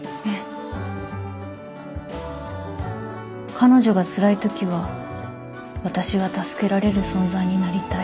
「彼女がつらい時はわたしが助けられる存在になりたい」。